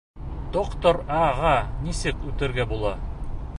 Доктор А.-ға нисек үтергә була?